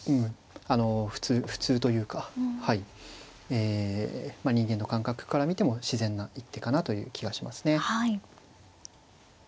あの普通普通というかはいえまあ人間の感覚から見ても自然な一手かなという気がしますね。